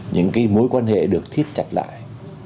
những cái mối quan hệ được thiết chặt lại